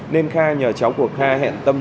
nên kha nhờ cháu của kha hẹn tâm